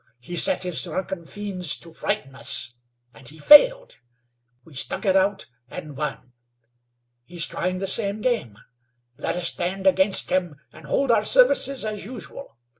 He set his drunken fiends to frighten us, and he failed. We stuck it out and won. He's trying the same game. Let us stand against him, and hold our services as usual.